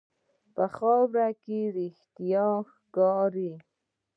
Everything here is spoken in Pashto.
په خاوره کې رښتیا ښکاري.